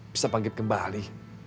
bisa panggil kembali